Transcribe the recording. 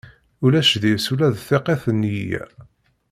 Ulac deg-s ula d tiqit n neyya.